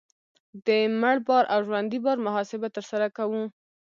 د مړ بار او ژوندي بار محاسبه ترسره کوو